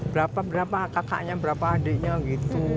berapa berapa kakaknya berapa adiknya gitu